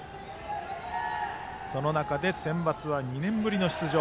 その中で、センバツは２年ぶりの出場。